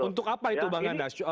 untuk apa itu bang endas